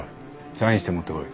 サインして持ってこい。